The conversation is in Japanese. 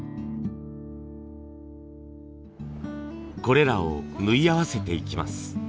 これらを縫い合わせていきます。